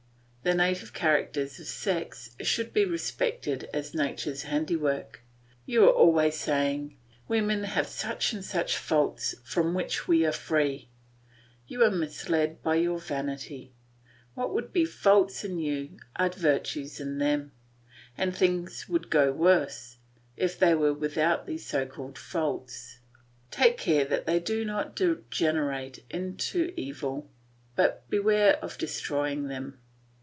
The native characters of sex should be respected as nature's handiwork. You are always saying, "Women have such and such faults, from which we are free." You are misled by your vanity; what would be faults in you are virtues in them; and things would go worse, if they were without these so called faults. Take care that they do not degenerate into evil, but beware of destroying them.